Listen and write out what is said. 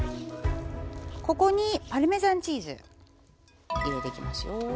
ここにパルメザンチーズ入れていきますよ。